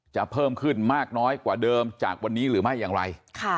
เพิ่มขึ้นมากน้อยกว่าเดิมจากวันนี้หรือไม่อย่างไร